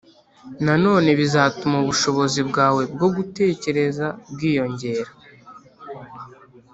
Nanone bizatuma ubushobozi bwawe bwo gutekereza bwiyongera